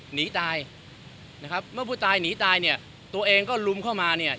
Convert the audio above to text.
หนีตายนะครับเมื่อผู้ตายหนีตายเนี่ยตัวเองก็ลุมเข้ามาเนี่ย